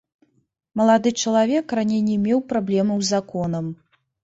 Малады чалавек раней не меў праблемаў з законам.